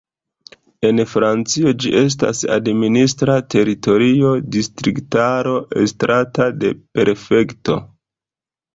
En Francio ĝi estas administra teritorio, distriktaro estrata de prefekto.